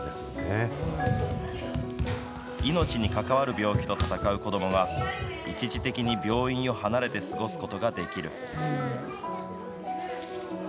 命に関わる病気と闘う子どもが、一時的に病院を離れて過ごすことができる。